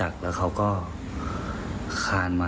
คือ๘น่ะ๘น่ะ๘๘น่ะ